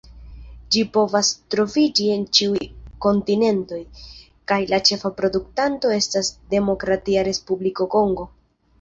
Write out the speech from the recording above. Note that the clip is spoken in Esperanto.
Ĝi povas troviĝi en ĉiuj kontinentoj, kaj la ĉefa produktanto estas Demokratia Respubliko Kongo.